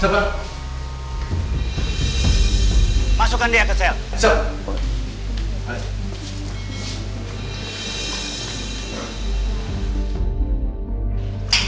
masukkan dia ke sel